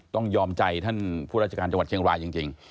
ยอมใจท่านผู้ราชการจังหวัดเชียงรายจริง